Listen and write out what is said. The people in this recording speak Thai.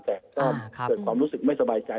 แต่ก็เกิดความรู้สึกไม่สบายใจ